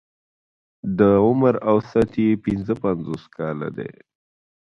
د عمر اوسط يې پنځه پنځوس کاله دی.